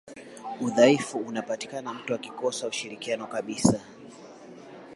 udhaifu unapatikana mtu akikosa ushirikiano kabisa